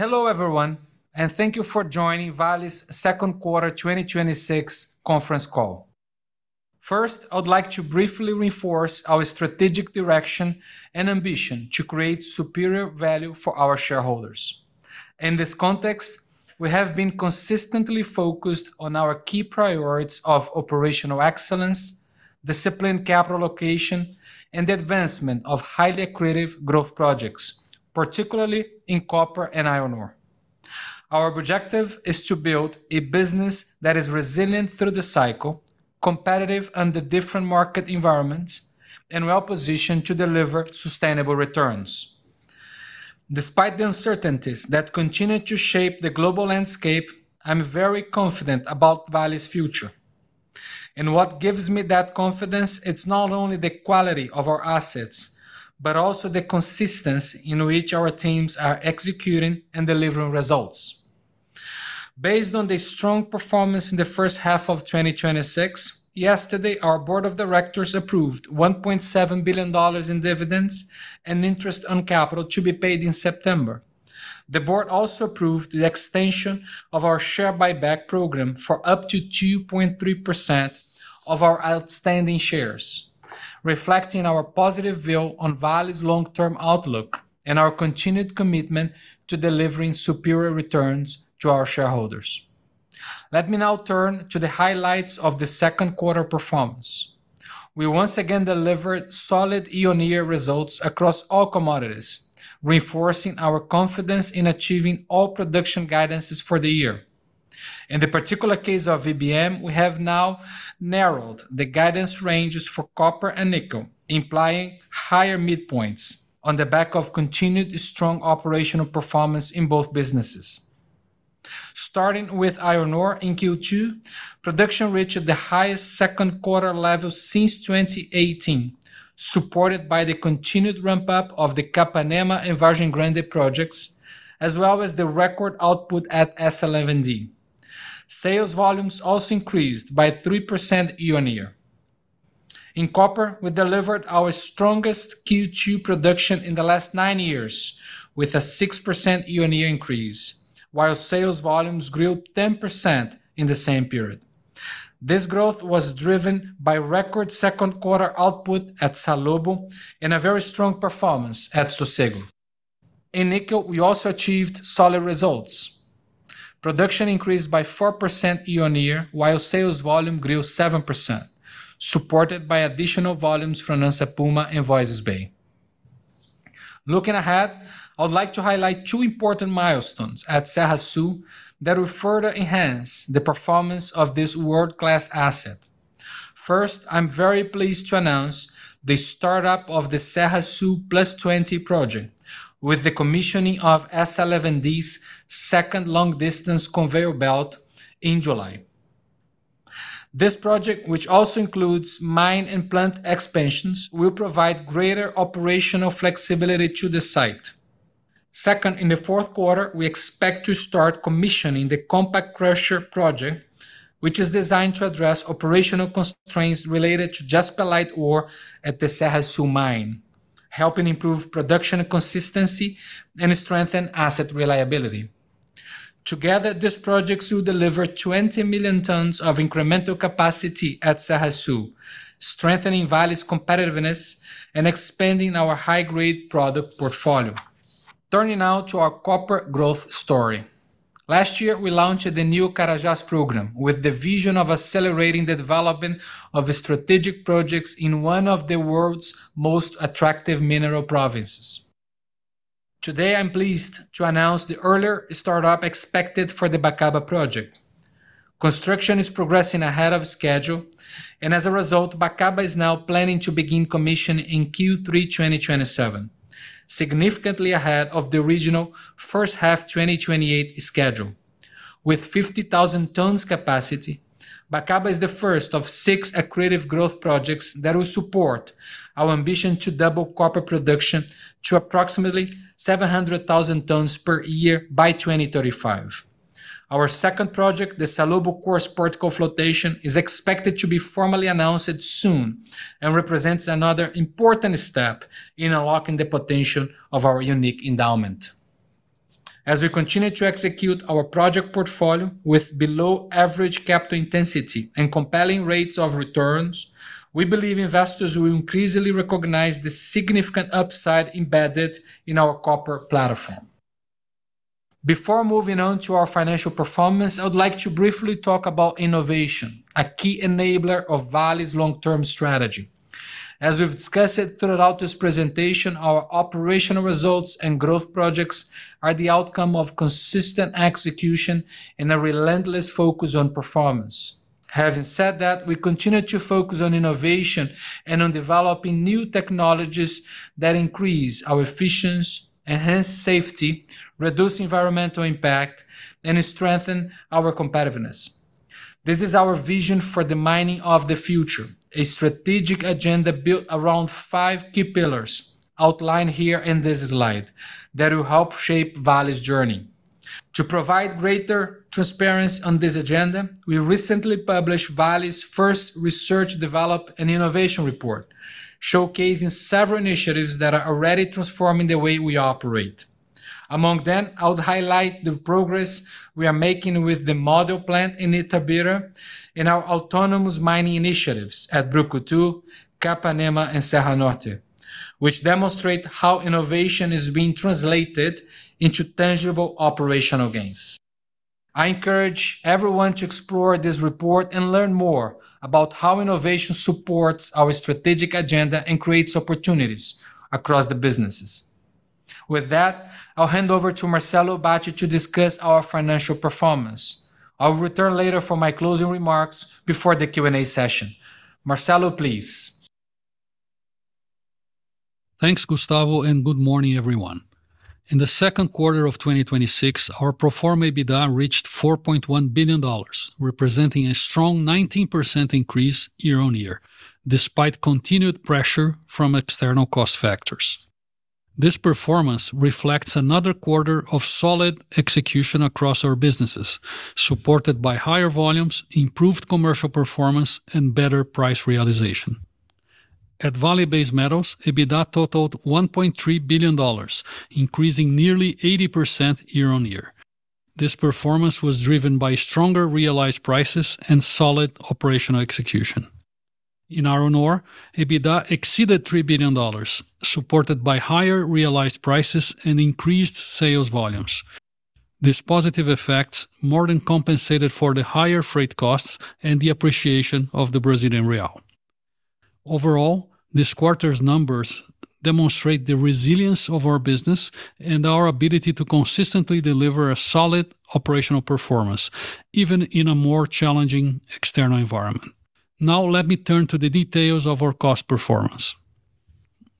Hello, everyone. Thank you for joining Vale's second quarter 2026 conference call. First, I would like to briefly reinforce our strategic direction and ambition to create superior value for our shareholders. In this context, we have been consistently focused on our key priorities of operational excellence, disciplined capital allocation, and the advancement of highly accretive growth projects, particularly in copper and iron ore. Our objective is to build a business that is resilient through the cycle, competitive under different market environments, and well-positioned to deliver sustainable returns. Despite the uncertainties that continue to shape the global landscape, I'm very confident about Vale's future. What gives me that confidence it's not only the quality of our assets, but also the consistency in which our teams are executing and delivering results. Based on the strong performance in the first half of 2026, yesterday our board of directors approved $1.7 billion in dividends and interest on capital to be paid in September. The board also approved the extension of our share buyback program for up to 2.3% of our outstanding shares, reflecting our positive view on Vale's long-term outlook and our continued commitment to delivering superior returns to our shareholders. Let me now turn to the highlights of the second quarter performance. We once again delivered solid year-on-year results across all commodities, reinforcing our confidence in achieving all production guidances for the year. In the particular case of VBM, we have now narrowed the guidance ranges for copper and nickel, implying higher midpoints on the back of continued strong operational performance in both businesses. Starting with iron ore in Q2, production reached the highest second quarter levels since 2018, supported by the continued ramp-up of the Capanema and Vargem Grande projects, as well as the record output at S11D. Sales volumes also increased by 3% year-on-year. In copper, we delivered our strongest Q2 production in the last nine years with a 6% year-on-year increase, while sales volumes grew 10% in the same period. This growth was driven by record second quarter output at Salobo and a very strong performance at Sossego. In nickel, we also achieved solid results. Production increased by 4% year-on-year, while sales volume grew 7%, supported by additional volumes from Onça Puma and Voisey's Bay. Looking ahead, I would like to highlight two important milestones at Serra Sul that will further enhance the performance of this world-class asset. First, I'm very pleased to announce the startup of the Serra Sul +20 project with the commissioning of S11D's second long-distance conveyor belt in July. This project, which also includes mine and plant expansions, will provide greater operational flexibility to the site. Second, in the fourth quarter, we expect to start commissioning the Compact Crusher project, which is designed to address operational constraints related to jaspilite ore at the Serra Sul mine, helping improve production consistency and strengthen asset reliability. Together, these projects will deliver 20 million tons of incremental capacity at Serra Sul, strengthening Vale's competitiveness and expanding our high-grade product portfolio. Turning now to our copper growth story. Last year, we launched the New Carajás Program with the vision of accelerating the development of strategic projects in one of the world's most attractive mineral provinces. Today, I'm pleased to announce the earlier startup expected for the Bacaba project. Construction is progressing ahead of schedule. As a result, Bacaba is now planning to begin commissioning in Q3 2027, significantly ahead of the original first half 2028 schedule. With 50,000 tons capacity, Bacaba is the first of six accretive growth projects that will support our ambition to double copper production to approximately 700,000 tons per year by 2035. Our second project, the Salobo coarse particle flotation, is expected to be formally announced soon and represents another important step in unlocking the potential of our unique endowment. As we continue to execute our project portfolio with below-average capital intensity and compelling rates of returns, we believe investors will increasingly recognize the significant upside embedded in our copper platform. Before moving on to our financial performance, I would like to briefly talk about innovation, a key enabler of Vale's long-term strategy. As we've discussed throughout this presentation, our operational results and growth projects are the outcome of consistent execution and a relentless focus on performance. Having said that, we continue to focus on innovation and on developing new technologies that increase our efficiency, enhance safety, reduce environmental impact, and strengthen our competitiveness. This is our vision for the mining of the future, a strategic agenda built around five key pillars outlined here in this slide that will help shape Vale's journey. To provide greater transparency on this agenda, we recently published Vale's first research, development, and innovation report, showcasing several initiatives that are already transforming the way we operate. Among them, I would highlight the progress we are making with the model plan in Itabira and our autonomous mining initiatives at Brucutu, Capanema, and Serra Norte, which demonstrate how innovation is being translated into tangible operational gains. I encourage everyone to explore this report and learn more about how innovation supports our strategic agenda and creates opportunities across the businesses. With that, I'll hand over to Marcelo Bacci to discuss our financial performance. I will return later for my closing remarks before the Q&A session. Marcelo, please. Thanks, Gustavo, and good morning, everyone. In the second quarter of 2026, our pro forma EBITDA reached $4.1 billion, representing a strong 19% increase year-on-year, despite continued pressure from external cost factors. This performance reflects another quarter of solid execution across our businesses, supported by higher volumes, improved commercial performance, and better price realization. At Vale Base Metals, EBITDA totaled $1.3 billion, increasing nearly 80% year-on-year. This performance was driven by stronger realized prices and solid operational execution. In iron ore, EBITDA exceeded $3 billion, supported by higher realized prices and increased sales volumes. These positive effects more than compensated for the higher freight costs and the appreciation of the Brazilian real. Overall, this quarter's numbers demonstrate the resilience of our business and our ability to consistently deliver a solid operational performance, even in a more challenging external environment. Let me turn to the details of our cost performance.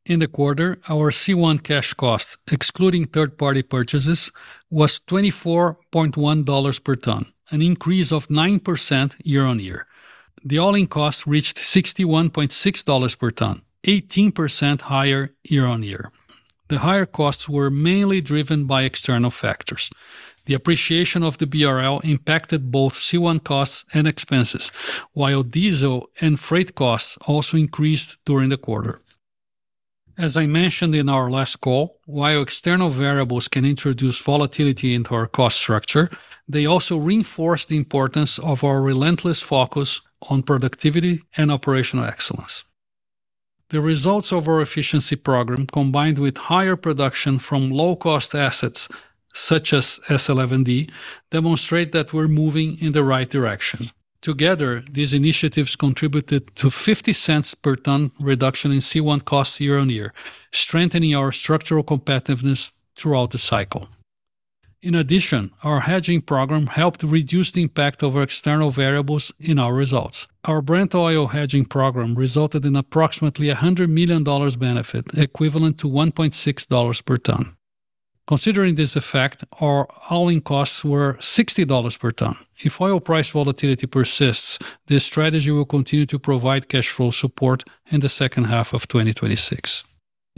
In the quarter, our C1 cash cost, excluding third-party purchases, was $24.1 per ton, an increase of 9% year-on-year. The all-in cost reached $61.6 per ton, 18% higher year-on-year. The higher costs were mainly driven by external factors. The appreciation of the BRL impacted both C1 costs and expenses, while diesel and freight costs also increased during the quarter. As I mentioned in our last call, while external variables can introduce volatility into our cost structure, they also reinforce the importance of our relentless focus on productivity and operational excellence. The results of our efficiency program, combined with higher production from low-cost assets such as S11D, demonstrate that we're moving in the right direction. Together, these initiatives contributed to a $0.50 per ton reduction in C1 costs year-on-year, strengthening our structural competitiveness throughout the cycle. In addition, our hedging program helped reduce the impact of external variables in our results. Our Brent oil hedging program resulted in approximately $100 million benefit, equivalent to $1.6 per ton. Considering this effect, our all-in costs were $60 per ton. If oil price volatility persists, this strategy will continue to provide cash flow support in the second half of 2026.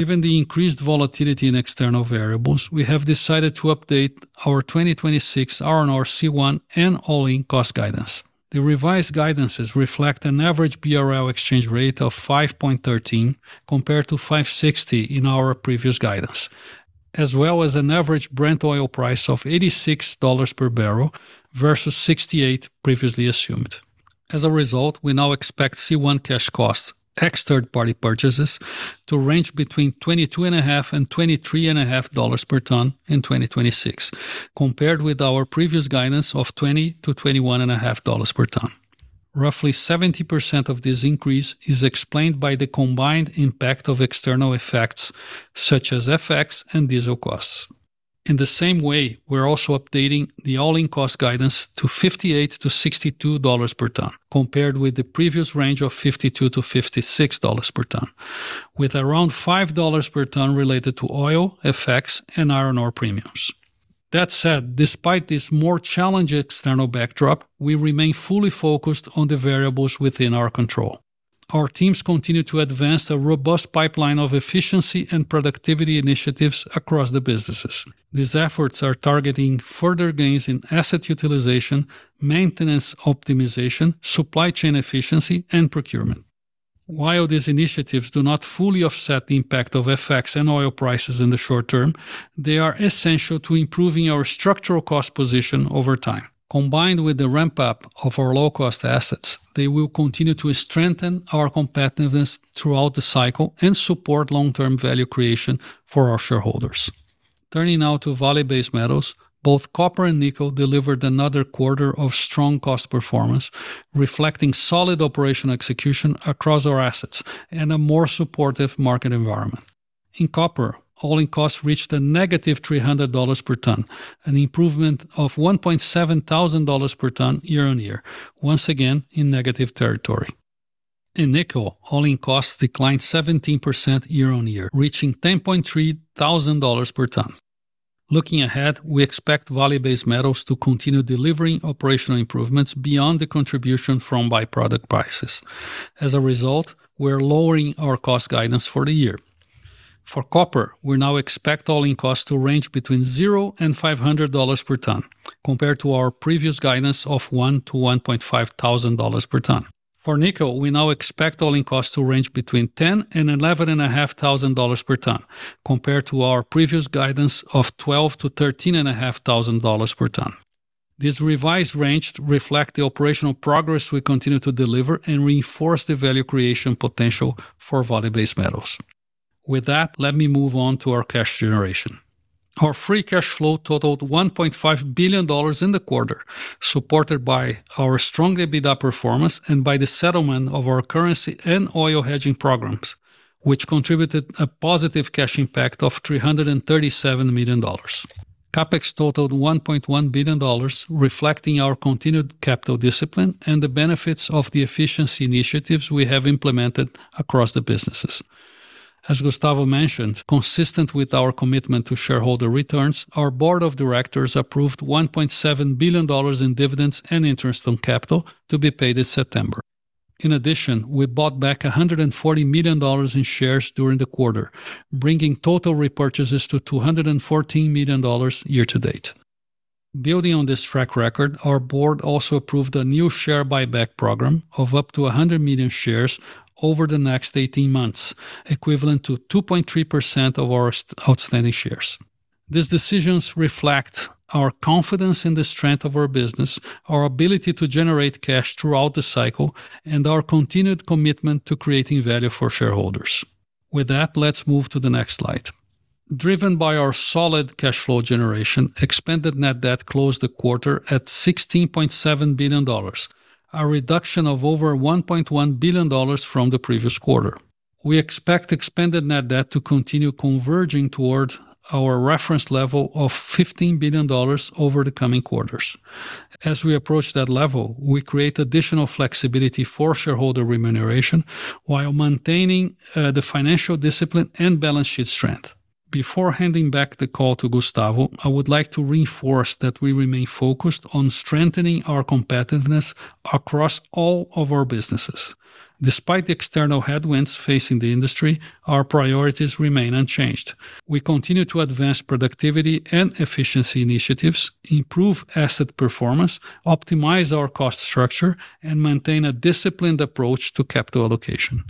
Given the increased volatility in external variables, we have decided to update our 2026 iron ore C1 and all-in cost guidance. The revised guidances reflect an average BRL exchange rate of 5.13 compared to 5.60 in our previous guidance, as well as an average Brent oil price of $86 per bbl versus $68 previously assumed. As a result, we now expect C1 cash costs, ex third-party purchases, to range between $22.50-$23.50 per ton in 2026, compared with our previous guidance of $20-$21.50 per ton. Roughly 70% of this increase is explained by the combined impact of external effects such as FX and diesel costs. In the same way, we're also updating the all-in cost guidance to $58-$62 per ton, compared with the previous range of $52-$56 per ton, with around $5 per ton related to oil, FX, and iron ore premiums. Despite this more challenging external backdrop, we remain fully focused on the variables within our control. Our teams continue to advance a robust pipeline of efficiency and productivity initiatives across the businesses. These efforts are targeting further gains in asset utilization, maintenance optimization, supply chain efficiency, and procurement. These initiatives do not fully offset the impact of FX and oil prices in the short term, they are essential to improving our structural cost position over time. Combined with the ramp-up of our low-cost assets, they will continue to strengthen our competitiveness throughout the cycle and support long-term value creation for our shareholders. Turning now to Vale Base Metals, both copper and nickel delivered another quarter of strong cost performance, reflecting solid operational execution across our assets and a more supportive market environment. In copper, all-in costs reached a -$300 per ton, an improvement of $1,700 per ton year-on-year, once again in negative territory. In nickel, all-in costs declined 17% year-on-year, reaching $10,300 per ton. We expect Vale Base Metals to continue delivering operational improvements beyond the contribution from by-product prices. As a result, we're lowering our cost guidance for the year. For copper, we now expect all-in cost to range between 0 and $500 per ton, compared to our previous guidance of $1,000-$1,500 per ton. For nickel, we now expect all-in cost to range between $10 and $11,500 per ton, compared to our previous guidance of $12,000-$13,500 per ton. These revised ranges reflect the operational progress we continue to deliver and reinforce the value creation potential for Vale Base Metals. With that, let me move on to our cash generation. Our free cash flow totaled $1.5 billion in the quarter, supported by our strong EBITDA performance and by the settlement of our currency and oil hedging programs, which contributed a positive cash impact of $337 million. CapEx totaled $1.1 billion, reflecting our continued capital discipline and the benefits of the efficiency initiatives we have implemented across the businesses. As Gustavo mentioned, consistent with our commitment to shareholder returns, our board of directors approved $1.7 billion in dividends and interest on capital to be paid this September. In addition, we bought back $140 million in shares during the quarter, bringing total repurchases to $214 million year-to-date. Building on this track record, our board also approved a new share buyback program of up to 100 million shares over the next 18 months, equivalent to 2.3% of our outstanding shares. These decisions reflect our confidence in the strength of our business, our ability to generate cash throughout the cycle, and our continued commitment to creating value for shareholders. With that, let's move to the next slide. Driven by our solid cash flow generation, expanded net debt closed the quarter at $16.7 billion, a reduction of over $1.1 billion from the previous quarter. We expect expanded net debt to continue converging toward our reference level of $15 billion over the coming quarters. As we approach that level, we create additional flexibility for shareholder remuneration while maintaining the financial discipline and balance sheet strength. Before handing back the call to Gustavo, I would like to reinforce that we remain focused on strengthening our competitiveness across all of our businesses. Despite the external headwinds facing the industry, our priorities remain unchanged. We continue to advance productivity and efficiency initiatives, improve asset performance, optimize our cost structure, and maintain a disciplined approach to capital allocation.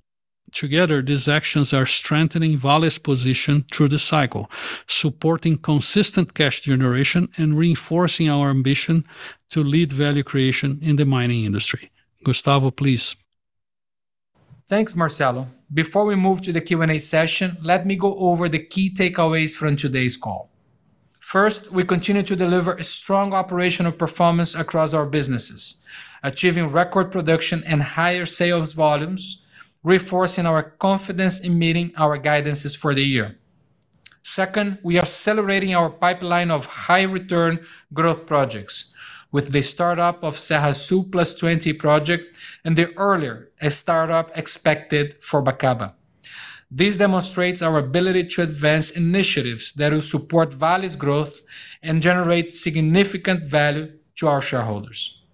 Together, these actions are strengthening Vale's position through the cycle, supporting consistent cash generation and reinforcing our ambition to lead value creation in the mining industry. Gustavo, please. Thanks, Marcelo. Before we move to the Q&A session, let me go over the key takeaways from today's call. First, we continue to deliver a strong operational performance across our businesses, achieving record production and higher sales volumes, reinforcing our confidence in meeting our guidances for the year. Second, we are accelerating our pipeline of high-return growth projects with the startup of the Serra Sul +20 project and the earlier startup expected for Bacaba. This demonstrates our ability to advance initiatives that will support Vale's growth and generate significant value to our shareholders.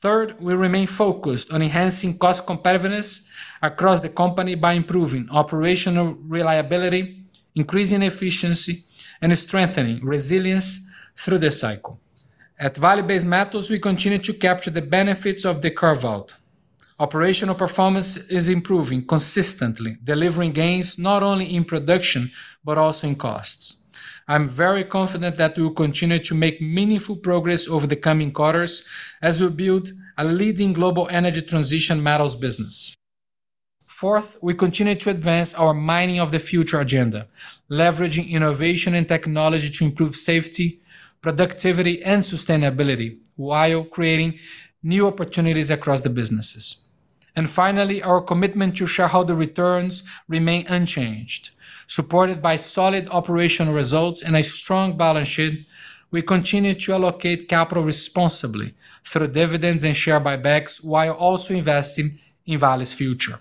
Third, we remain focused on enhancing cost competitiveness across the company by improving operational reliability, increasing efficiency, and strengthening resilience through the cycle. At Vale Base Metals, we continue to capture the benefits of the carve-out. Operational performance is improving, consistently delivering gains not only in production, but also in costs. I'm very confident that we will continue to make meaningful progress over the coming quarters as we build a leading global energy transition metals business. Fourth, we continue to advance our Mining of the Future agenda, leveraging innovation and technology to improve safety, productivity, and sustainability while creating new opportunities across the businesses. Finally, our commitment to shareholder returns remain unchanged. Supported by solid operational results and a strong balance sheet, we continue to allocate capital responsibly through dividends and share buybacks while also investing in Vale's future.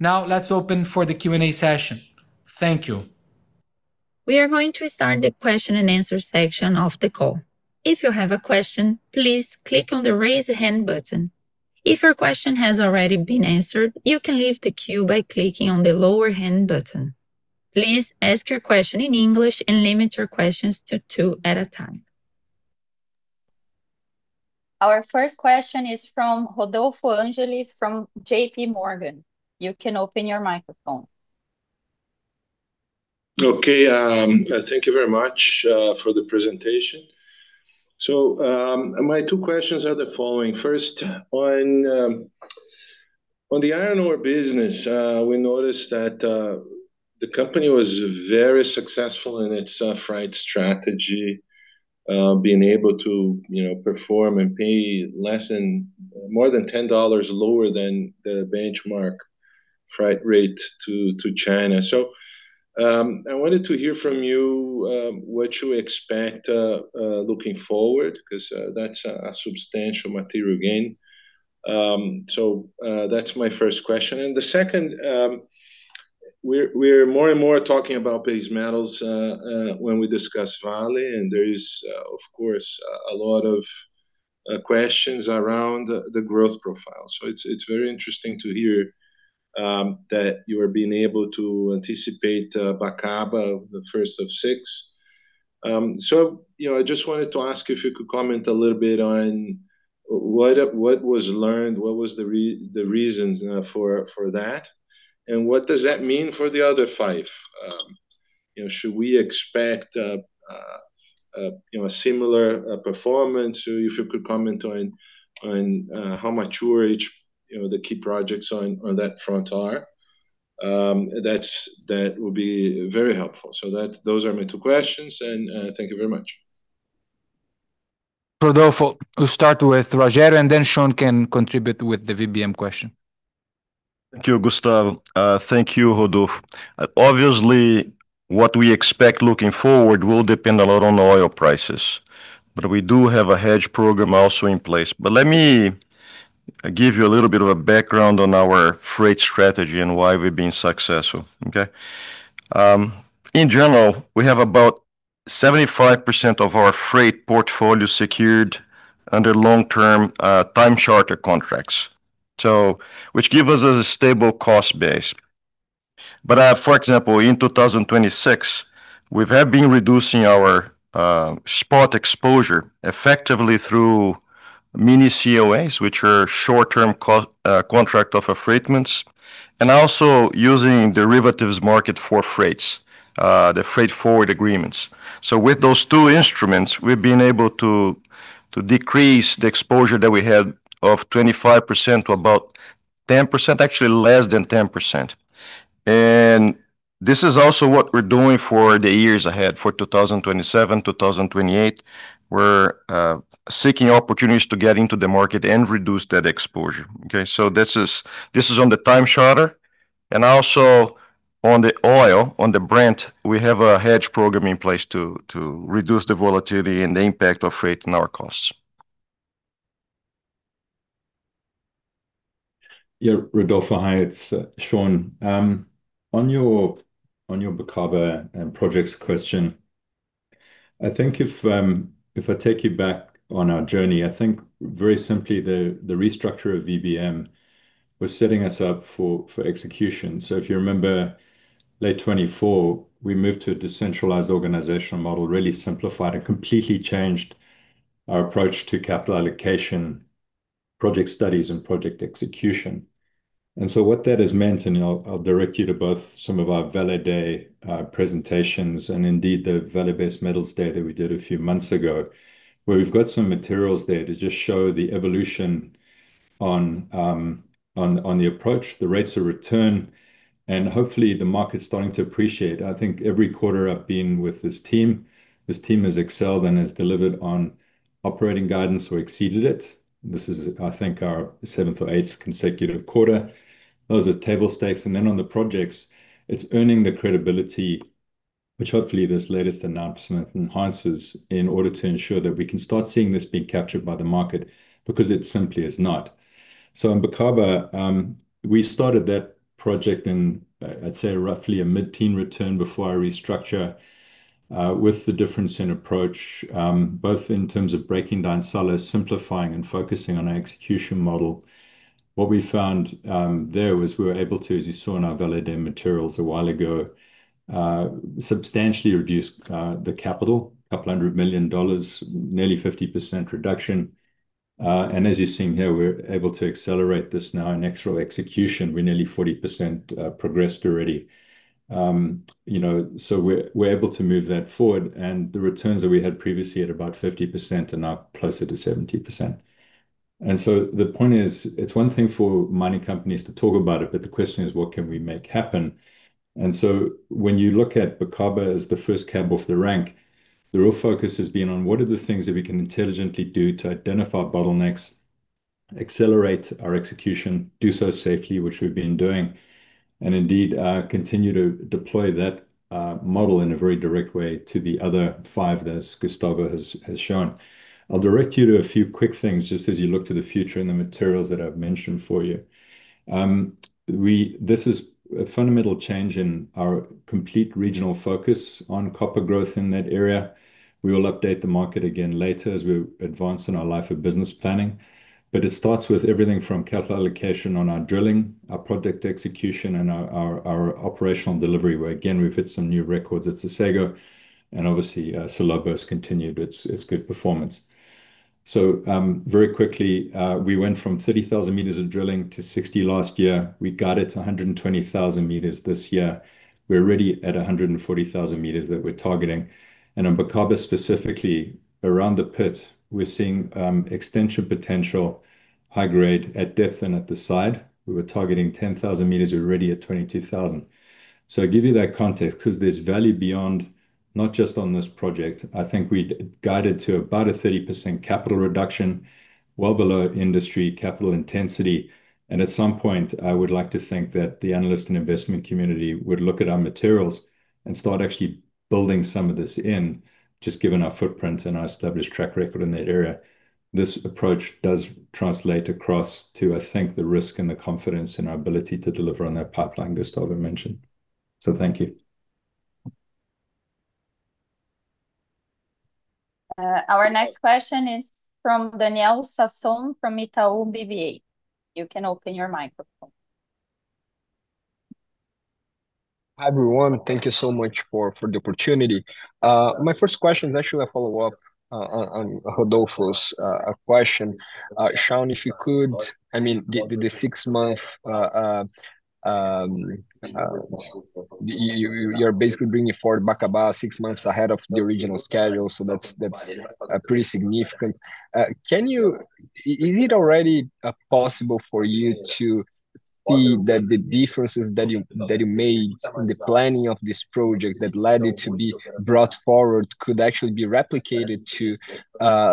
Let's open for the Q&A session. Thank you. We are going to start the question and answer section of the call. If you have a question, please click on the Raise a Hand button. If your question has already been answered, you can leave the queue by clicking on the Lower Hand button. Please ask your question in English and limit your questions to two at a time. Our first question is from Rodolfo Angele from JPMorgan. You can open your microphone. Okay. Thank you very much for the presentation. My two questions are the following. First, on the iron ore business, we noticed that the company was very successful in its freight strategy, being able to perform and pay more than $10 lower than the benchmark freight rate to China. I wanted to hear from you what you expect looking forward, because that's a substantial material gain? That's my first question. The second, we're more and more talking about base metals when we discuss Vale, and there is, of course, a lot of questions around the growth profile. It's very interesting to hear that you are being able to anticipate Bacaba, the first of six. I just wanted to ask if you could comment a little bit on what was learned, what was the reasons for that, and what does that mean for the other five? Should we expect a similar performance? Or if you could comment on how mature each, the key projects on that front are, that would be very helpful. Those are my two questions, and thank you very much. Rodolfo, we'll start with Rogério, and then Shaun can contribute with the VBM question. Thank you, Gustavo. Thank you, Rodolfo. Obviously, what we expect looking forward will depend a lot on the oil prices. We do have a hedge program also in place. Let me give you a little bit of a background on our freight strategy and why we've been successful. Okay? In general, we have about 75% of our freight portfolio secured under long-term time charter contracts, which give us a stable cost base. For example, in 2026, we have been reducing our spot exposure effectively through mini COAs, which are short-term contract of affreightments, and also using derivatives market for freights, the Forward Freight Agreement. With those two instruments, we've been able to decrease the exposure that we had of 25% to about 10%, actually less than 10%. This is also what we're doing for the years ahead. For 2027, 2028, we're seeking opportunities to get into the market and reduce that exposure. Okay, this is on the time charter. Also on the oil, on the Brent, we have a hedge program in place to reduce the volatility and the impact of freight on our costs. Yeah. Rodolfo, hi, it's Shaun. On your Bacaba projects question, I think if I take you back on our journey, I think very simply the restructure of VBM was setting us up for execution. If you remember late 2024, we moved to a decentralized organizational model, really simplified and completely changed our approach to capital allocation, project studies, and project execution. What that has meant, and I'll direct you to both some of our Vale Day presentations and indeed the Vale Base Metals Day that we did a few months ago, where we've got some materials there to just show the evolution on the approach, the rates of return, and hopefully the market's starting to appreciate. I think every quarter I've been with this team, this team has excelled and has delivered on operating guidance or exceeded it. This is, I think, our seventh or eighth consecutive quarter. Those are table stakes. On the projects, it's earning the credibility, which hopefully this latest announcement enhances in order to ensure that we can start seeing this being captured by the market, because it simply is not. In Bacaba, we started that project in, I'd say, roughly a mid-teen return before I restructure, with the difference in approach, both in terms of breaking down silos, simplifying, and focusing on our execution model. What we found there was we were able to, as you saw in our Vale Day materials a while ago, substantially reduce the capital, a couple hundred million dollars, nearly 50% reduction. As you're seeing here, we're able to accelerate this now in actual execution. We're nearly 40% progressed already. We're able to move that forward. The returns that we had previously at about 50% are now closer to 70%. The point is, it's one thing for mining companies to talk about it, but the question is, what can we make happen? When you look at Bacaba as the first cab off the rank, the real focus has been on what are the things that we can intelligently do to identify bottlenecks, accelerate our execution, do so safely, which we've been doing, and indeed, continue to deploy that model in a very direct way to the other five that Gustavo has shown. I'll direct you to a few quick things just as you look to the future in the materials that I've mentioned for you. This is a fundamental change in our complete regional focus on copper growth in that area. We will update the market again later as we advance in our life of business planning. It starts with everything from capital allocation on our drilling, our project execution, and our operational delivery, where again, we've hit some new records at Sossego, and obviously, Salobo's continued its good performance. Very quickly, we went from 30,000 m of drilling to 60,000 m last year. We guided to 120,000 m this year. We're already at 140,000 m that we're targeting. On Bacaba specifically, around the pit, we're seeing extension potential, high grade at depth and at the side. We were targeting 10,000 m, we're already at 22,000 m. I give you that context because there's value beyond, not just on this project. I think we guided to about a 30% capital reduction, well below industry capital intensity. At some point, I would like to think that the analyst and investment community would look at our materials and start actually building some of this in, just given our footprint and our established track record in that area. This approach does translate across to, I think, the risk and the confidence in our ability to deliver on that pipeline Gustavo mentioned. Thank you. Our next question is from Daniel Sasson from Itaú BBA. You can open your microphone. Hi, everyone. Thank you so much for the opportunity. My first question is actually a follow-up on Rodolfo's question. Shaun, if you could, the six month, you're basically bringing forward Bacaba six months ahead of the original schedule, that's pretty significant. Is it already possible for you to see that the differences that you made in the planning of this project that led it to be brought forward could actually be replicated to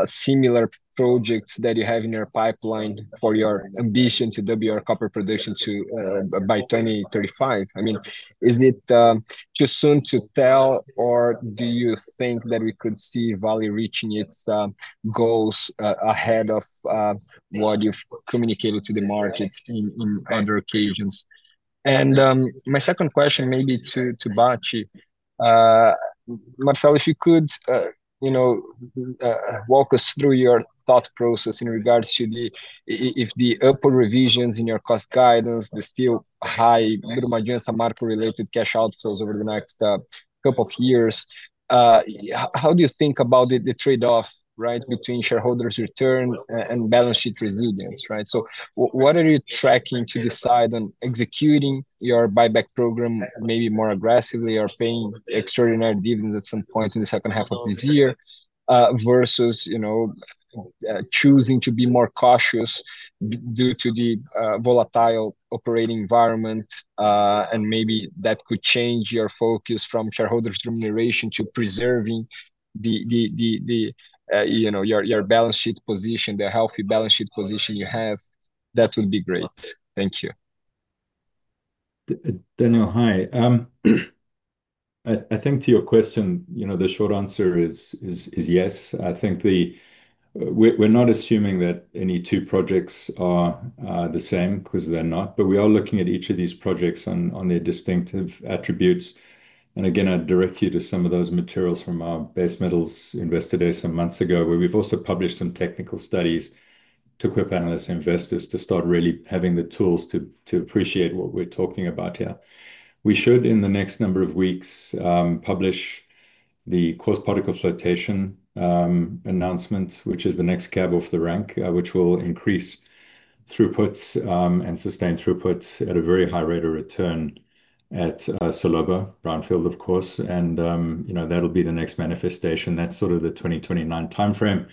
similar projects that you have in your pipeline for your ambition to double your copper production by 2035? Is it too soon to tell, or do you think that we could see Vale reaching its goals ahead of what you've communicated to the market on other occasions? My second question maybe to Bacci. Marcelo, if you could walk us through your thought process in regards to if the upward revisions in your cost guidance is still high given the Mina Samarco related cash outflows over the next couple of years. How do you think about the trade-off between shareholders' return and balance sheet resilience? What are you tracking to decide on executing your buyback program, maybe more aggressively or paying extraordinary dividends at some point in the second half of this year, versus choosing to be more cautious due to the volatile operating environment? Maybe that could change your focus from shareholders' remuneration to preserving your balance sheet position, the healthy balance sheet position you have. That would be great. Thank you. Daniel, hi. I think to your question, the short answer is yes. I think we're not assuming that any two projects are the same, because they're not, but we are looking at each of these projects on their distinctive attributes. Again, I'd direct you to some of those materials from our Base Metals Investor Day some months ago, where we've also published some technical studies to equip analysts and investors to start really having the tools to appreciate what we're talking about here. We should, in the next number of weeks, publish the coarse particle flotation announcement, which is the next cab off the rank, which will increase throughput and sustain throughput at a very high rate of return at Salobo brownfield, of course. That'll be the next manifestation. That's sort of the 2029 timeframe.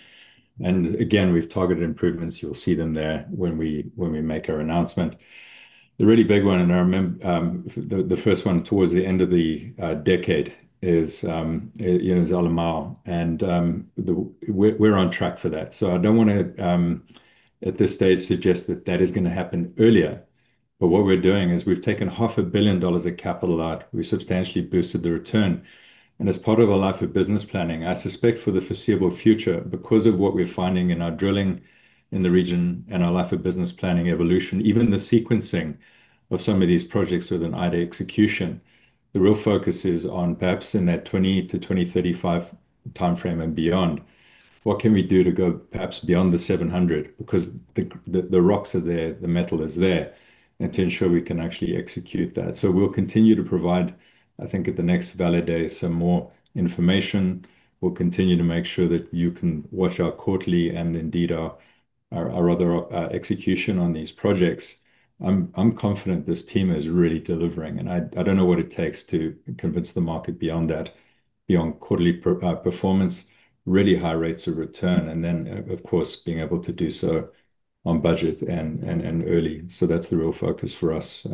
Again, we've targeted improvements. You'll see them there when we make our announcement. The really big one, I remember the first one towards the end of the decade is Zalmar, we're on track for that. I don't want to, at this stage, suggest that that is going to happen earlier. What we're doing is we've taken half a billion dollars of capital out. We substantially boosted the return. As part of our life of business planning, I suspect for the foreseeable future, because of what we're finding in our drilling in the region and our life of business planning evolution, even the sequencing of some of these projects with an idea execution, the real focus is on perhaps in that 20 to 2035 timeframe and beyond. What can we do to go perhaps beyond the 700? The rocks are there, the metal is there, to ensure we can actually execute that. We'll continue to provide, I think, at the next Vale Day, some more information. We'll continue to make sure that you can watch our quarterly and indeed our other execution on these projects. I'm confident this team is really delivering, I don't know what it takes to convince the market beyond that, beyond quarterly performance, really high rates of return, then, of course, being able to do so on budget and early. That's the real focus for us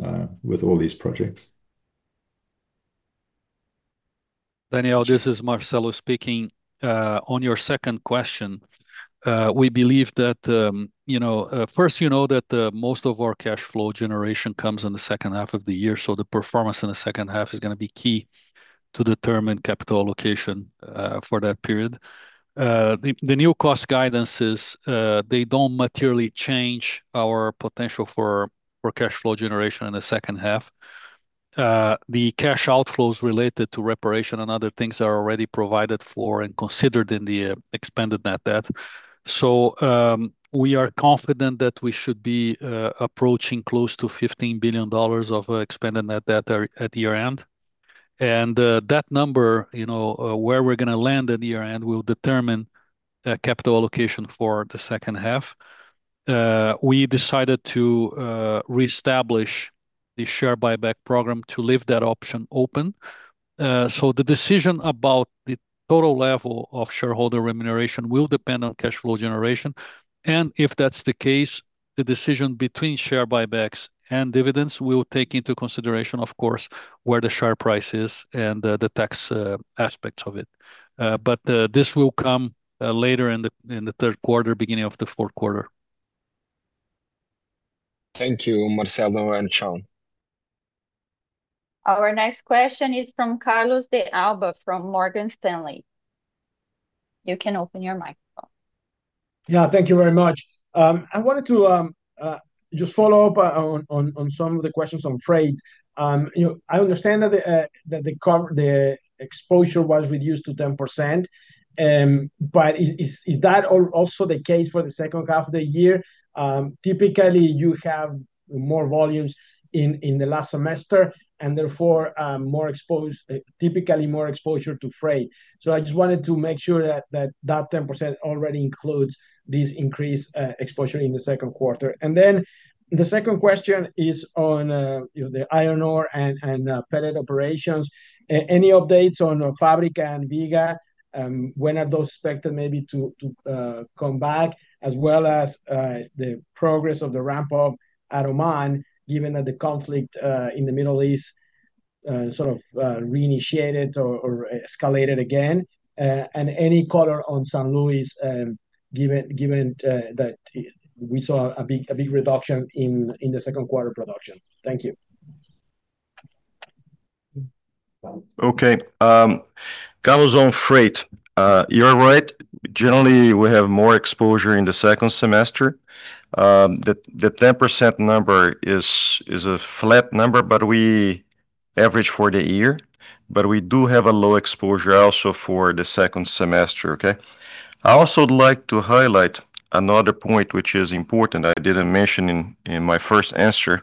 with all these projects. Daniel, this is Marcelo speaking. On your second question, we believe that first you know that most of our cash flow generation comes in the second half of the year, the performance in the second half is going to be key to determine capital allocation for that period. The new cost guidances, they don't materially change our potential for cash flow generation in the second half. The cash outflows related to reparation and other things are already provided for and considered in the expanded net debt. We are confident that we should be approaching close to $15 billion of expanded net debt at year-end. That number, where we're going to land at year-end, will determine capital allocation for the second half. We decided to reestablish the share buyback program to leave that option open. The decision about the total level of shareholder remuneration will depend on cash flow generation, and if that's the case, the decision between share buybacks and dividends will take into consideration, of course, where the share price is and the tax aspects of it. This will come later in the third quarter, beginning of the fourth quarter. Thank you, Marcelo and Shaun. Our next question is from Carlos de Alba from Morgan Stanley. You can open your microphone. Yeah, thank you very much. I wanted to just follow up on some of the questions on freight. I understand that the exposure was reduced to 10%, but is that also the case for the second half of the year? Typically, you have more volumes in the last semester, and therefore, typically more exposure to freight. I just wanted to make sure that that 10% already includes this increased exposure in the second quarter. The second question is on the iron ore and pellet operations. Any updates on Fábrica and Vega? When are those expected maybe to come back, as well as the progress of the ramp-up at Oman, given that the conflict in the Middle East sort of reinitiated or escalated again? Any color on São Luís, given that we saw a big reduction in the second quarter production. Thank you. Okay. Carlos, on freight. You're right. Generally, we have more exposure in the second semester. The 10% number is a flat number, but we average for the year. We do have a low exposure also for the second semester, okay? I also would like to highlight another point, which is important, I didn't mention in my first answer,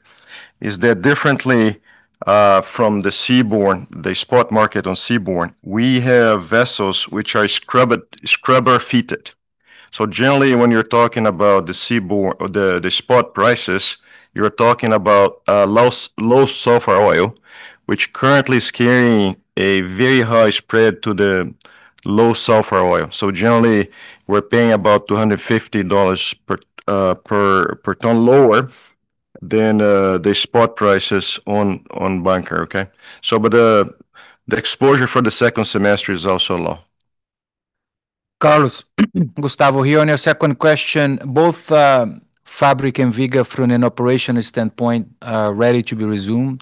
is that differently from the seaborne, the spot market on seaborne. We have vessels which are scrubber-fitted. Generally, when you're talking about the spot prices, you're talking about low sulfur oil, which currently is carrying a very high spread to the low sulfur oil. Generally, we're paying about $250 per ton lower than the spot prices on bunker, okay? The exposure for the second semester is also low. Carlos, Gustavo here. On your second question, both Fábrica and Vega from an operation standpoint are ready to be resumed.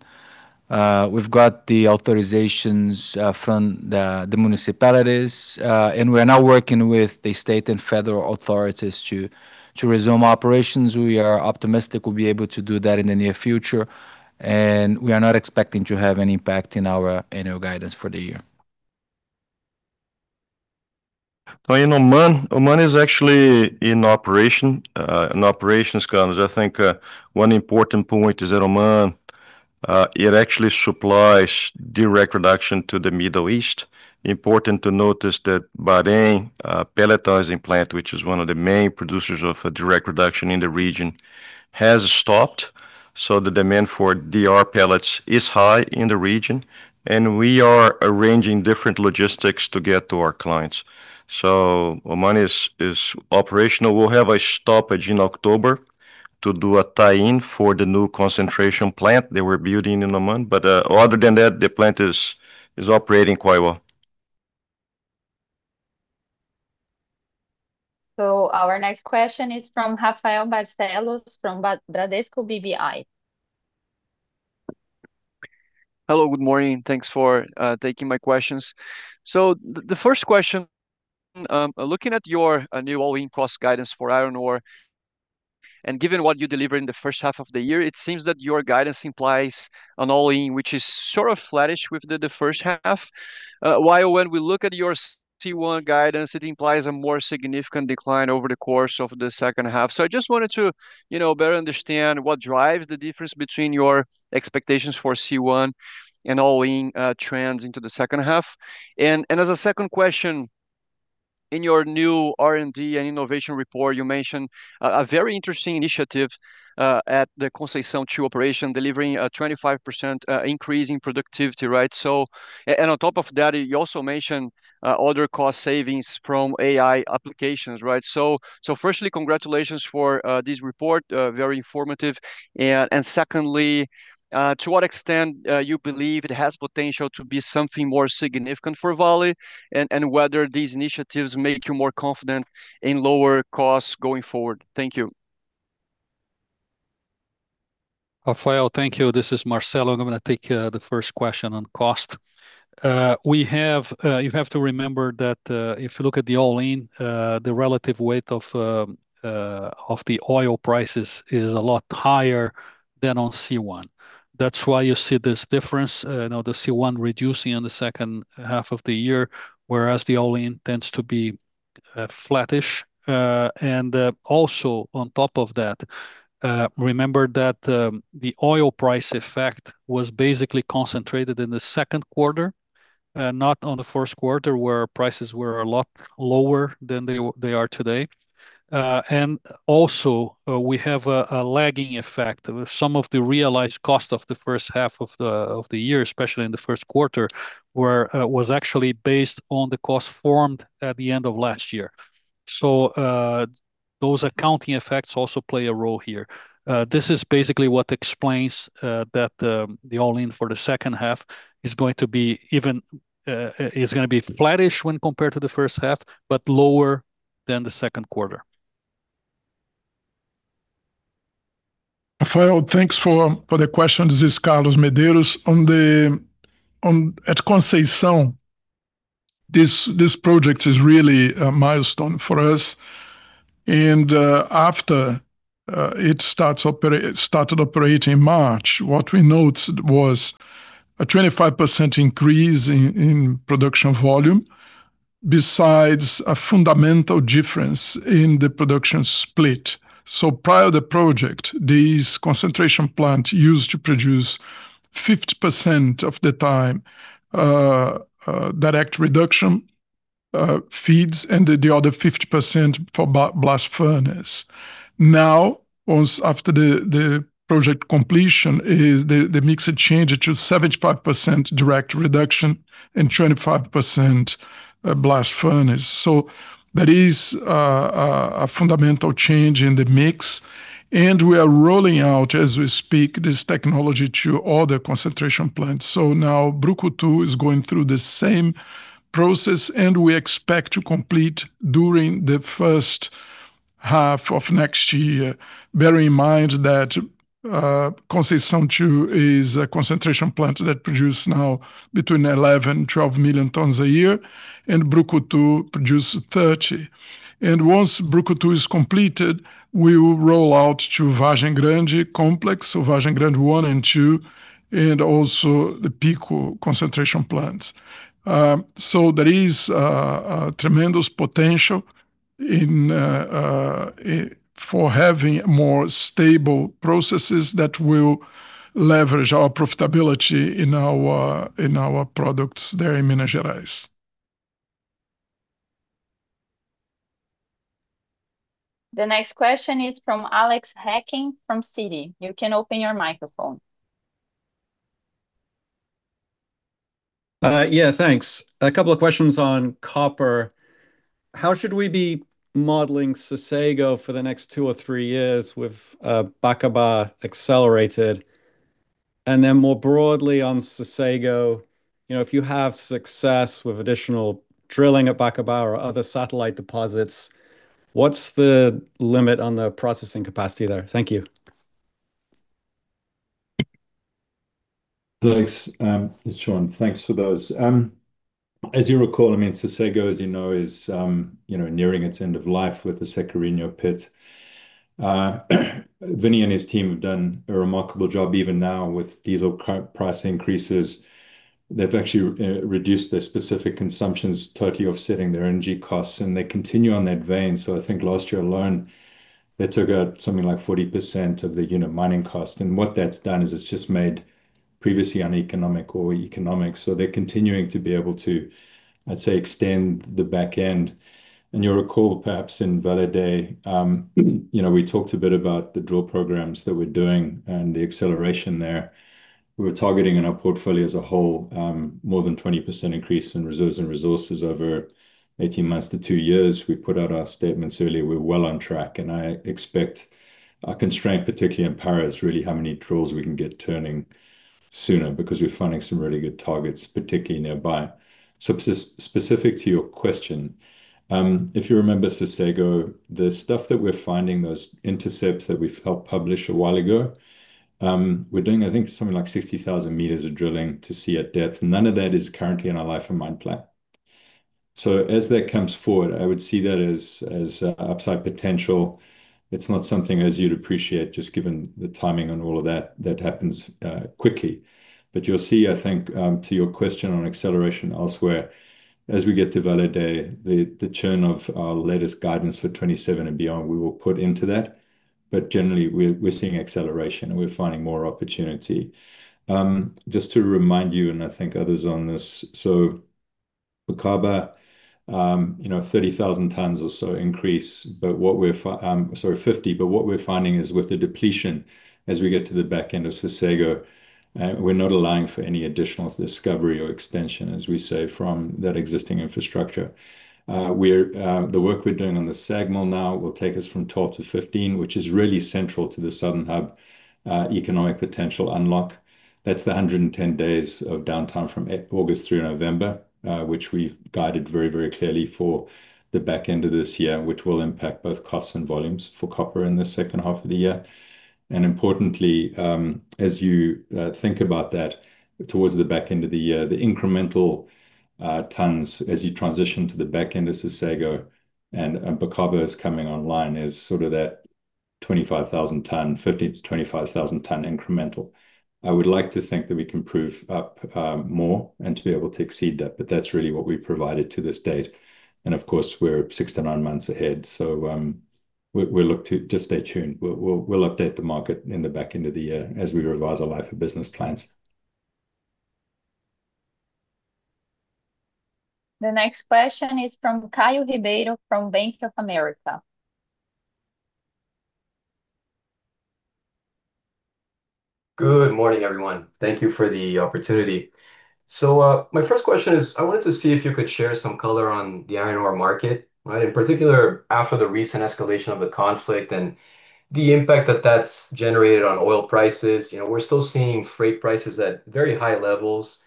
We've got the authorizations from the municipalities. We're now working with the state and federal authorities to resume operations. We are optimistic we'll be able to do that in the near future, and we are not expecting to have any impact in our annual guidance for the year. In Oman. Oman is actually in operations, Carlos. I think one important point is that Oman, it actually supplies direct reduction to the Middle East. Important to notice that Bahrain pelletizing plant, which is one of the main producers of direct reduction in the region, has stopped. The demand for DR pellets is high in the region. We are arranging different logistics to get to our clients. Oman is operational. We'll have a stoppage in October to do a tie-in for the new concentration plant that we're building in Oman. Other than that, the plant is operating quite well. Our next question is from Rafael Barcellos from Bradesco BBI. Hello, good morning. Thanks for taking my questions. The first question, looking at your new all-in cost guidance for iron ore, and given what you delivered in the first half of the year, it seems that your guidance implies an all-in which is sort of flattish with the first half. While when we look at your C1 guidance, it implies a more significant decline over the course of the second half. I just wanted to better understand what drives the difference between your expectations for C1 and all-in trends into the second half. As a second question, in your new R&D and innovation report, you mentioned a very interesting initiative, at the Conceição II operation, delivering a 25% increase in productivity, right? On top of that, you also mentioned other cost savings from AI applications, right? Firstly, congratulations for this report. Very informative. Secondly, to what extent you believe it has potential to be something more significant for Vale? Whether these initiatives make you more confident in lower costs going forward. Thank you. Rafael, thank you. This is Marcelo. I'm going to take the first question on cost. You have to remember that if you look at the all-in, the relative weight of the oil prices is a lot higher than on C1. That's why you see this difference, the C1 reducing in the second half of the year, whereas the all-in tends to be flattish. Also on top of that, remember that the oil price effect was basically concentrated in the second quarter, not on the first quarter, where prices were a lot lower than they are today. Also, we have a lagging effect. Some of the realized cost of the first half of the year, especially in the first quarter, was actually based on the cost formed at the end of last year. Those accounting effects also play a role here. This is basically what explains that the all-in for the second half is going to be flattish when compared to the first half, but lower than the second quarter. Rafael, thanks for the question. This is Carlos Medeiros. At Conceição, this project is really a milestone for us. After it started operating in March, what we noticed was a 25% increase in production volume, besides a fundamental difference in the production split. Prior to the project, this concentration plant used to produce 50% of the time direct reduction feeds and the other 50% for blast furnace. Now, after the project completion, the mixer changed to 75% direct reduction and 25% blast furnace. That is a fundamental change in the mix, and we are rolling out, as we speak, this technology to all the concentration plants. Now, Brucutu is going through the same process, and we expect to complete during the first half of next year. Bearing in mind that Conceição II is a concentration plant that produce now between 11 million tons, 12 million tons a year, Brucutu produce 30. Once Brucutu is completed, we will roll out to Vargem Grande complex, Vargem Grande 1 and 2, and also the Pico concentration plants. There is a tremendous potential for having more stable processes that will leverage our profitability in our products there in Minas Gerais. The next question is from Alex Hacking from Citi. You can open your microphone. Yeah, thanks. A couple of questions on copper. How should we be modeling Sossego for the next two or three years with Bacaba accelerated? More broadly on Sossego, if you have success with additional drilling at Bacaba or other satellite deposits, what's the limit on the processing capacity there? Thank you. Thanks. It's Shaun. Thanks for those. As you recall, Sossego, as you know, is nearing its end of life with the Sequeirinho pit. Vini and his team have done a remarkable job even now with diesel price increases. They've actually reduced their specific consumptions, totally offsetting their energy costs, and they continue on that vein. I think last year alone, they took out something like 40% of the unit mining cost. What that's done is it's just made previously uneconomic or economic. They're continuing to be able to, let's say, extend the back end. You'll recall, perhaps in Vale Day, we talked a bit about the drill programs that we're doing and the acceleration there. We're targeting in our portfolio as a whole, more than 20% increase in reserves and resources over 18 months to two years. We put out our statements earlier. We're well on track, I expect our constraint, particularly in Pará, is really how many drills we can get turning sooner because we're finding some really good targets, particularly nearby. Specific to your question, if you remember Sossego, the stuff that we're finding, those intercepts that we helped publish a while ago, we're doing, I think, something like 60,000 m of drilling to see at depth. None of that is currently in our life of mine plan. As that comes forward, I would see that as upside potential. It's not something, as you'd appreciate, just given the timing on all of that happens quickly. You'll see, I think, to your question on acceleration elsewhere, as we get to Vale Day, the churn of our latest guidance for 2027 and beyond, we will put into that. Generally, we're seeing acceleration, and we're finding more opportunity. Just to remind you, I think others on this, Bacaba 30,000 tons or so increase. Sorry, 50. What we're finding is with the depletion as we get to the back end of Sossego, we're not allowing for any additional discovery or extension, as we say, from that existing infrastructure. The work we're doing on the SAG mill now will take us from 12-15, which is really central to the southern hub economic potential unlock. That's the 110 days of downtime from August through November which we've guided very, very clearly for the back end of this year, which will impact both costs and volumes for copper in the second half of the year. Importantly, as you think about that towards the back end of the year, the incremental tons as you transition to the back end of Sossego and Bacaba is coming online is sort of that 25,000 ton, 15,000-25,000 ton incremental. I would like to think that we can prove up more and to be able to exceed that's really what we've provided to this date. Of course, we're six to nine months ahead, just stay tuned. We'll update the market in the back end of the year as we revise our life of business plans. The next question is from Caio Ribeiro from Bank of America. Good morning, everyone. Thank you for the opportunity. My first question is, I wanted to see if you could share some color on the iron ore market, right? In particular, after the recent escalation of the conflict and the impact that that's generated on oil prices. We're still seeing freight prices at very high levels,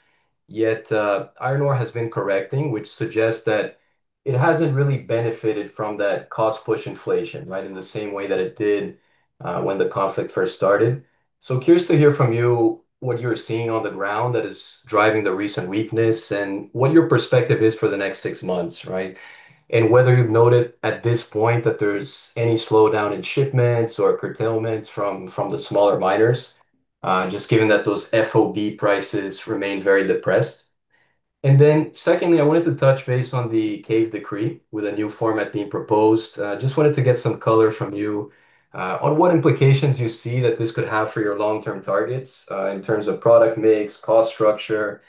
yet iron ore has been correcting, which suggests that it hasn't really benefited from that cost-push inflation, right? In the same way that it did when the conflict first started. Curious to hear from you what you're seeing on the ground that is driving the recent weakness and what your perspective is for the next six months, right? Whether you've noted at this point that there's any slowdown in shipments or curtailments from the smaller miners, just given that those FOB prices remain very depressed. Secondly, I wanted to touch base on the Caves Decree with a new format being proposed. Just wanted to get some color from you on what implications you see that this could have for your long-term targets, in terms of product mix, cost structure,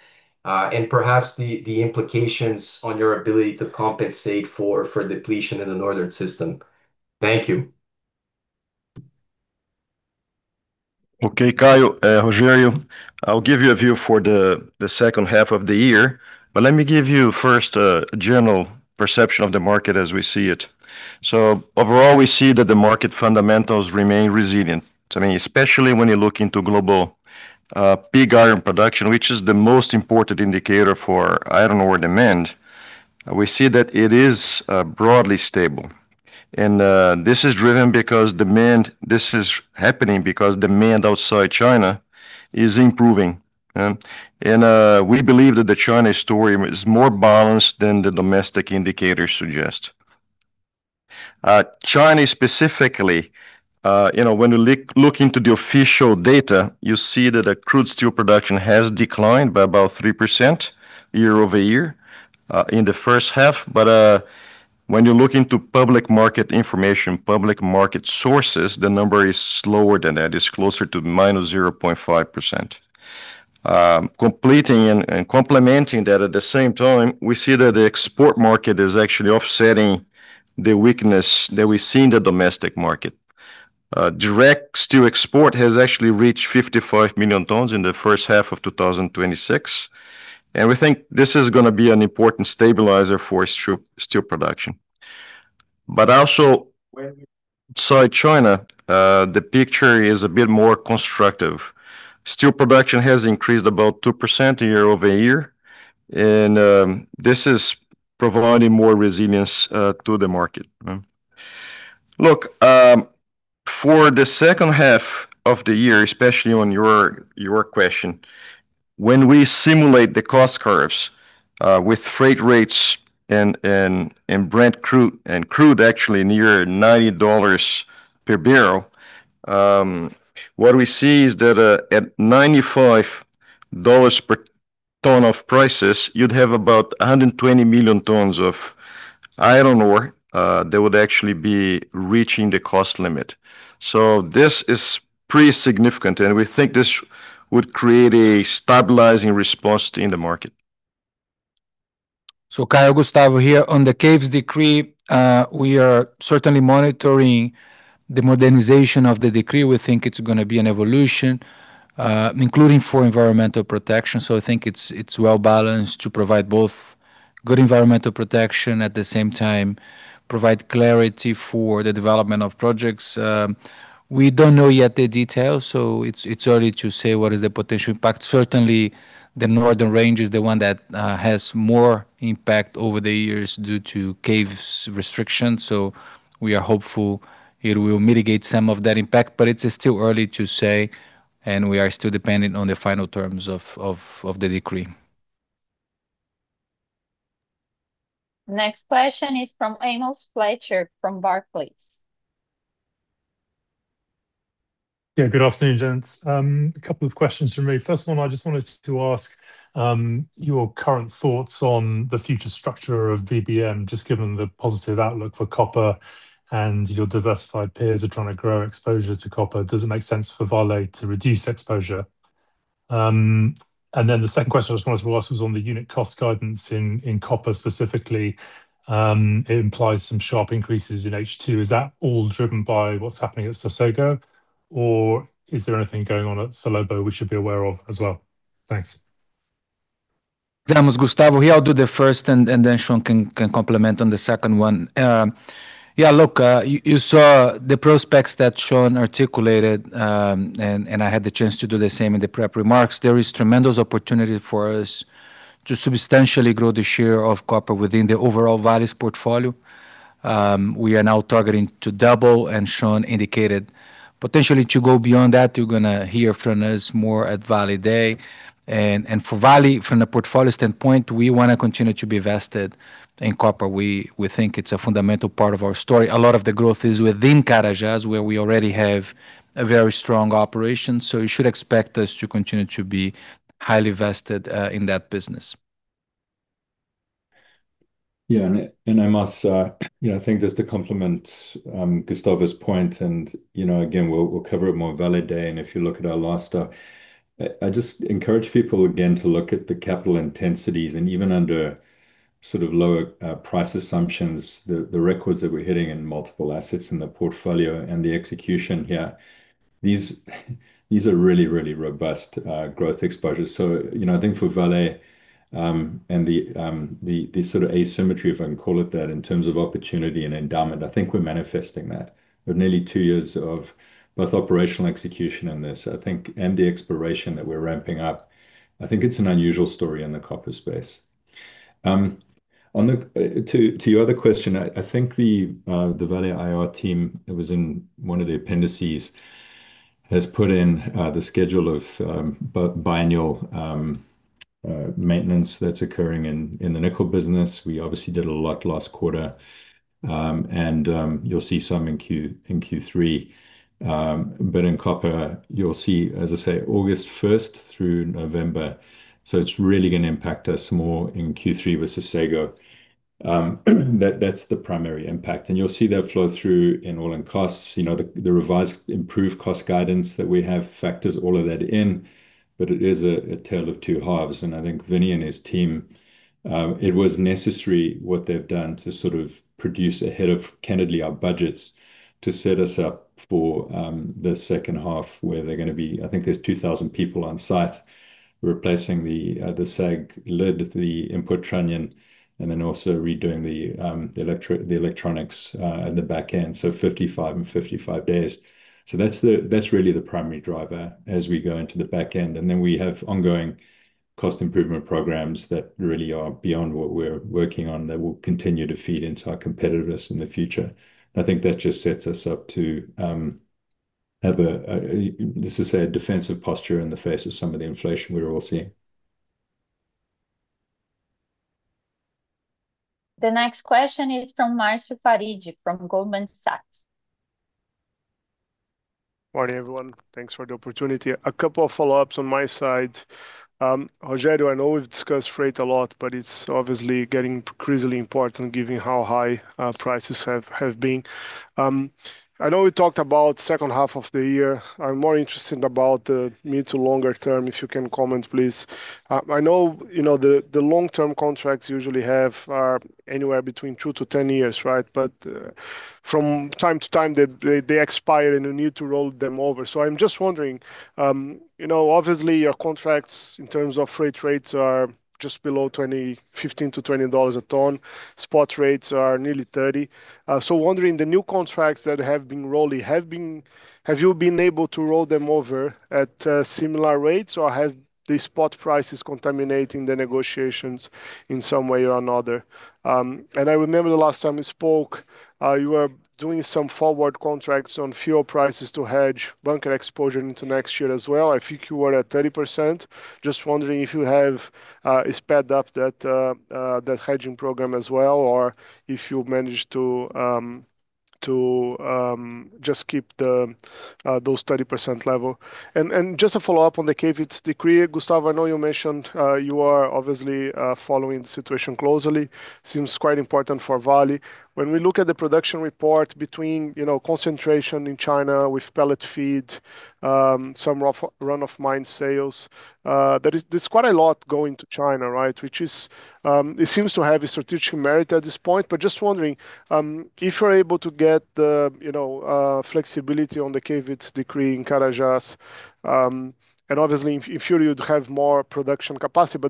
and perhaps the implications on your ability to compensate for depletion in the northern system. Thank you. Okay, Caio, Rogério, I'll give you a view for the second half of the year. Let me give you first a general perception of the market as we see it. Overall, we see that the market fundamentals remain resilient. To me, especially when you look into global pig iron production, which is the most important indicator for iron ore demand, we see that it is broadly stable. This is happening because demand outside China is improving. We believe that the China story is more balanced than the domestic indicators suggest. China specifically, when we look into the official data, you see that crude steel production has declined by about 3% year-over-year in the first half. When you look into public market information, public market sources, the number is slower than that. It's closer to -0.5%. Completing and complementing that at the same time, we see that the export market is actually offsetting the weakness that we see in the domestic market. Direct steel export has actually reached 55 million tons in the first half of 2026. We think this is going to be an important stabilizer for steel production. Also, outside China, the picture is a bit more constructive. Steel production has increased about 2% year-over-year, and this is providing more resilience to the market. Look, for the second half of the year, especially on your question, when we simulate the cost curves with freight rates and Brent crude, and crude actually near $90 per bbl, what we see is that at $95 per ton of prices, you'd have about 120 million tons of iron ore that would actually be reaching the cost limit. This is pretty significant, and we think this would create a stabilizing response in the market. Caio, Gustavo here. On the Caves Decree, we are certainly monitoring the modernization of the decree. We think it's going to be an evolution, including for environmental protection. I think it's well-balanced to provide both good environmental protection, at the same time provide clarity for the development of projects. We don't know yet the details, so it's early to say what is the potential impact. Certainly, the northern range is the one that has more impact over the years due to Caves restrictions, so we are hopeful it will mitigate some of that impact. It's still early to say, and we are still dependent on the final terms of the decree. Next question is from Amos Fletcher from Barclays. Good afternoon, gents. A couple of questions from me. First one, I just wanted to ask your current thoughts on the future structure of VBM, just given the positive outlook for copper and your diversified peers are trying to grow exposure to copper. Does it make sense for Vale to reduce exposure? The second question I just wanted to ask was on the unit cost guidance in copper specifically. It implies some sharp increases in H2. Is that all driven by what's happening at Sossego, or is there anything going on at Salobo we should be aware of as well? Thanks. Amos, Gustavo here. I'll do the first. Shaun can complement on the second one. You saw the prospects that Shaun articulated. I had the chance to do the same in the prep remarks. There is tremendous opportunity for us to substantially grow the share of copper within the overall Vale's portfolio. We are now targeting to double. Shaun indicated potentially to go beyond that. You're going to hear from us more at Vale Day. For Vale, from the portfolio standpoint, we want to continue to be vested in copper. We think it's a fundamental part of our story. A lot of the growth is within Carajás, where we already have a very strong operation. You should expect us to continue to be highly vested in that business. I must just to complement Gustavo's point. We'll cover it more at Vale Day. If you look at our last stuff, I just encourage people again to look at the capital intensities and even under sort of lower price assumptions, the records that we're hitting in multiple assets in the portfolio and the execution here. These are really robust growth exposures. I think for Vale, the sort of asymmetry, if I can call it that, in terms of opportunity and endowment, I think we're manifesting that. With nearly two years of both operational execution in this, and the exploration that we're ramping up, I think it's an unusual story in the copper space. To your other question, I think the Vale IR team, it was in one of the appendices, has put in the schedule of biannual maintenance that's occurring in the nickel business. We obviously did a lot last quarter. You'll see some in Q3. In copper, you'll see, as I say, August 1st through November. It's really going to impact us more in Q3 with Sossego. That's the primary impact. You'll see that flow through in all-in costs. The revised improved cost guidance that we have factors all of that in. It is a tale of two halves. Vini and his team, it was necessary what they've done to sort of produce ahead of, candidly, our budgets to set us up for the second half where they're going to be, I think there's 2,000 people on site replacing the SAG mill liner, the input trunnion, and then also redoing the electronics at the back end. 55 and 55 days. That's really the primary driver as we go into the back end. Then we have ongoing cost improvement programs that really are beyond what we're working on that will continue to feed into our competitiveness in the future. I think that just sets us up to have a, let's just say, a defensive posture in the face of some of the inflation we're all seeing. The next question is from Marcio Farid from Goldman Sachs. Morning, everyone. Thanks for the opportunity. A couple of follow-ups on my side. Rogério, I know we've discussed freight a lot, it's obviously getting increasingly important given how high prices have been. I know we talked about second half of the year. I'm more interested about the mid to longer term, if you can comment, please. I know the long-term contracts usually have are anywhere between 2-10 years, right? From time to time, they expire, and you need to roll them over. I'm just wondering, obviously, your contracts in terms of freight rates are just below $15-$20 a ton. Spot rates are nearly $30. Wondering, the new contracts that have been rolling, have you been able to roll them over at similar rates? Or have the spot prices contaminating the negotiations in some way or another? I remember the last time we spoke, you were doing some forward contracts on fuel prices to hedge bunker exposure into next year as well. I think you were at 30%. Just wondering if you have sped up that hedging program as well, or if you've managed to just keep those 30% level. Just a follow-up on the Caves Decree. Gustavo, I know you mentioned you are obviously following the situation closely. Seems quite important for Vale. When we look at the production report between concentration in China with pellet feed, some run-of-mine sales, there's quite a lot going to China, right? Which is, it seems to have a strategic merit at this point. Just wondering, if you're able to get the flexibility on the Caves Decree in Carajás, and obviously, if you're to have more production capacity.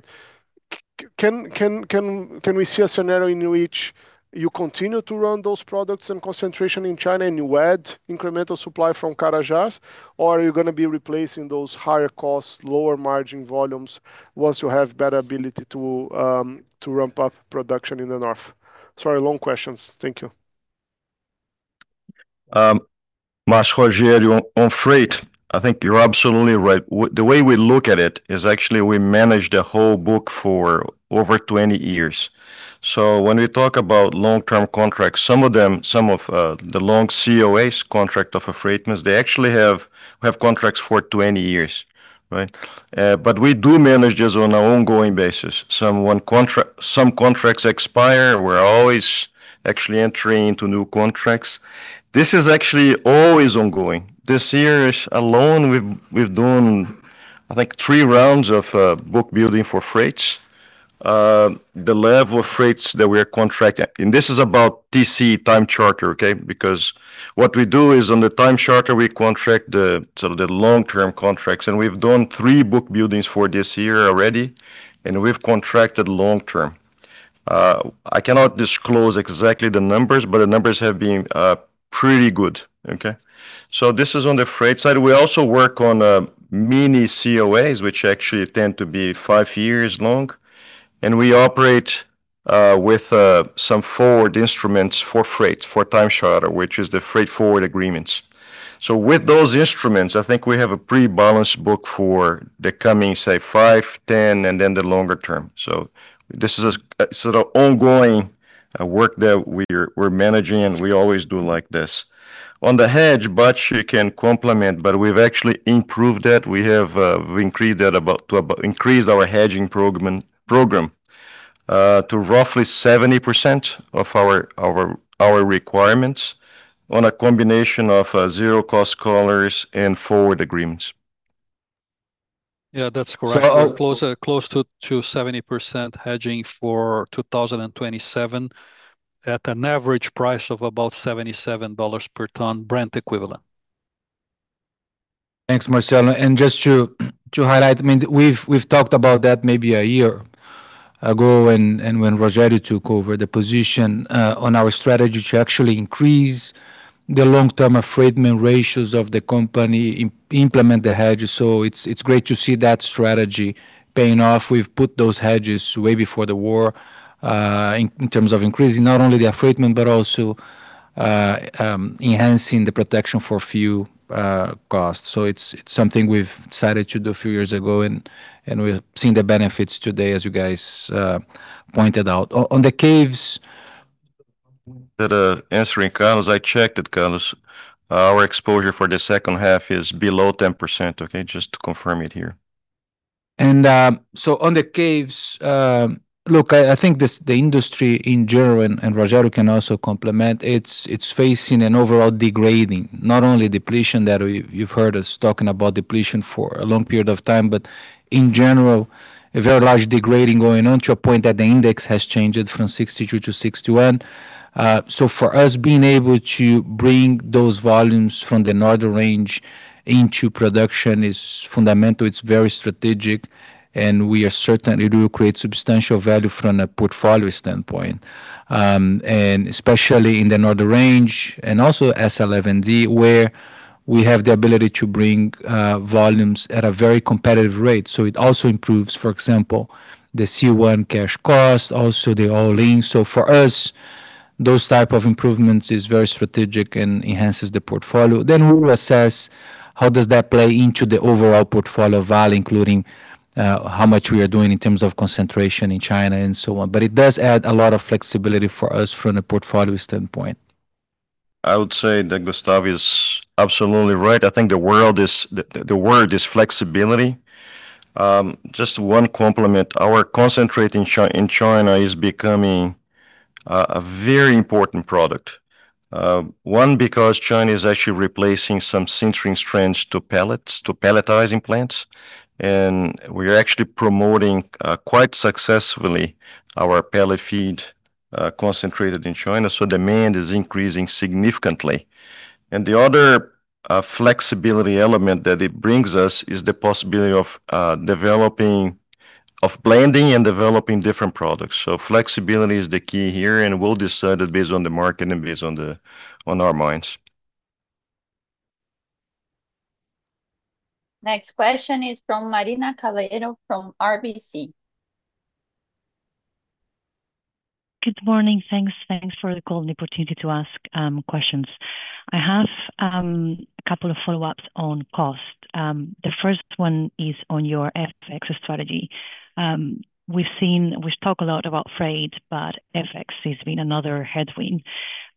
Can we see a scenario in which you continue to run those products and concentration in China and you add incremental supply from Carajás? Or are you going to be replacing those higher costs, lower margin volumes once you have better ability to ramp up production in the north? Sorry, long questions. Thank you. Marcio, Rogério, on freight, I think you're absolutely right. The way we look at it is actually we manage the whole book for over 20 years. When we talk about long-term contracts, some of them, some of the long COAs, contract of affreightments, they actually have contracts for 20 years, right? We do manage this on an ongoing basis. Some contracts expire. We're always actually entering into new contracts. This is actually always ongoing. This year alone, we've done, I think, three rounds of book building for freights. The level of freights that we are contracting, and this is about TC, time charter, okay? Because what we do is on the time charter, we contract the long-term contracts, and we've done three book buildings for this year already, and we've contracted long-term. I cannot disclose exactly the numbers, but the numbers have been pretty good, okay? This is on the freight side. We also work on mini COAs, which actually tend to be five years long. We operate with some forward instruments for freight, for time charter, which is the Forward Freight Agreement. With those instruments, I think we have a pretty balanced book for the coming, say, five, 10, and then the longer term. This is a sort of ongoing work that we're managing, and we always do like this. On the hedge, Bacci can complement, but we've actually improved that. We have increased our hedging program to roughly 70% of our requirements on a combination of zero cost collars and forward agreements. Yeah, that's correct. Close to 70% hedging for 2027 at an average price of about $77 per ton Brent equivalent. Thanks, Marcelo. Just to highlight, I mean, we've talked about that maybe a year ago and when Rogério took over the position on our strategy to actually increase the long-term freight ratios of the company implement the hedges. It's great to see that strategy paying off. We've put those hedges way before the war, in terms of increasing not only the freight, but also enhancing the protection for few costs. It's something we've decided to do a few years ago and we're seeing the benefits today, as you guys pointed out. On the caves. Answering Carlos. I checked with Carlos. Our exposure for the second half is below 10%. Okay, just to confirm it here. On the caves, look, I think the industry in general, and Rogério can also complement, it's facing an overall degrading, not only depletion that you've heard us talking about depletion for a long period of time, but in general, a very large degrading going on to a point that the index has changed from 62 to 61. For us, being able to bring those volumes from the Northern range into production is fundamental. It's very strategic, and we are certain it will create substantial value from a portfolio standpoint. Especially in the Northern range and also S11D where we have the ability to bring volumes at a very competitive rate. It also improves, for example, the C1 cash cost, also the all-in. For us, those type of improvements is very strategic and enhances the portfolio. We will assess how does that play into the overall portfolio value, including how much we are doing in terms of concentration in China and so on. It does add a lot of flexibility for us from a portfolio standpoint. I would say that Gustavo is absolutely right. I think the word is flexibility. Just one complement. Our concentrate in China is becoming a very important product. One, because China is actually replacing some sintering strands to pellets, to pelletizing plants, and we are actually promoting, quite successfully, our pellet feed concentrated in China. Demand is increasing significantly. The other flexibility element that it brings us is the possibility of blending and developing different products. Flexibility is the key here, and we'll decide it based on the market and based on our mines. Next question is from Marina Calero from RBC. Good morning. Thanks for the call and the opportunity to ask questions. I have a couple of follow-ups on cost. The first one is on your FX strategy. We've talked a lot about freight, but FX has been another headwind.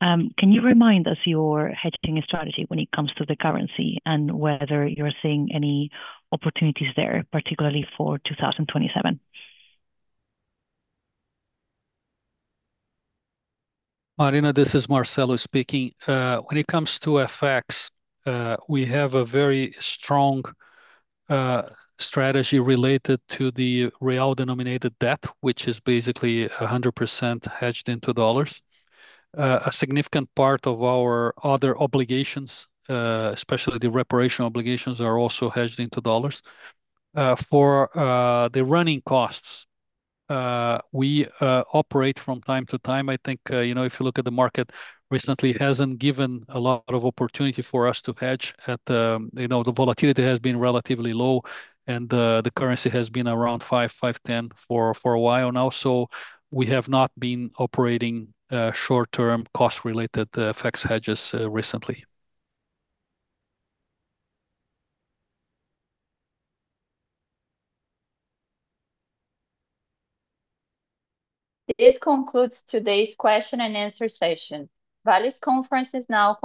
Can you remind us your hedging strategy when it comes to the currency and whether you're seeing any opportunities there, particularly for 2027? Marina, this is Marcelo speaking. When it comes to FX, we have a very strong strategy related to the real denominated debt, which is basically 100% hedged into dollars. A significant part of our other obligations, especially the reparation obligations, are also hedged into dollars. For the running costs, we operate from time to time. I think, if you look at the market recently, it hasn't given a lot of opportunity for us to hedge. The volatility has been relatively low, and the currency has been around five, 5.10 for a while now. We have not been operating short-term cost-related FX hedges recently. This concludes today's question and answer session. Vale's conference is now